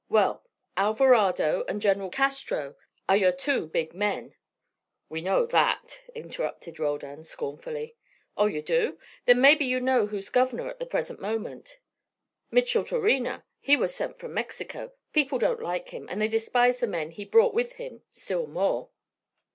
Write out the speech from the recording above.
Well, Alvarado and General Castro are your two big men " "We know that," interrupted Roldan, scornfully. "Oh, you do? Then mebbe you know who'se govenor at the present moment." "Micheltorena. He was sent from Mexico. People don't like him, and they despise the men he brought with him, still more."